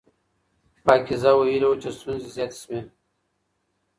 پاکیزه ویلي وو چې ستونزې زیاتې شوې.